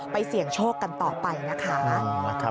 ไปเสี่ยงโชคกันต่อไปค่ะ